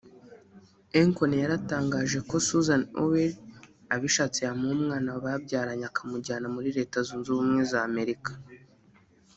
Akon yaratangaje ko Susan Owiri abishatse yamuha umwana babyaranye akamujyana muri Leta Zunze Ubumwe z’Amerika